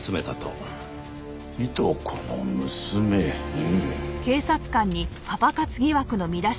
いとこの娘ねえ。